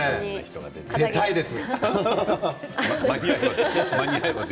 出たいです。